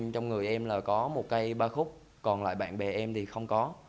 trong người em là có một cây ba khúc còn lại bạn bè em thì không có